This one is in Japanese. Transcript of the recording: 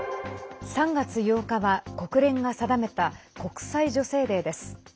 ３月８日は国連が定めた国際女性デーです。